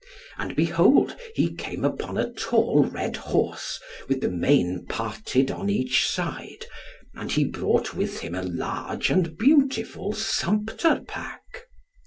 And behold he came upon a tall red horse, with the mane parted on each side, and he brought with him a large and beautiful sumpter pack.